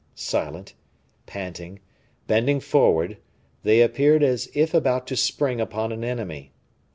Silent, panting, bending forward, they appeared as if about to spring upon an enemy.